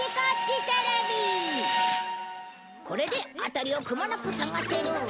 これで辺りをくまなく探せる。